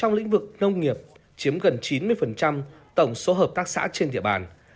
trong lĩnh vực nông nghiệp chiếm gần chín mươi tổng số hợp tác xã trên địa bàn